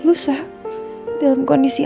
lusa dalam kondisi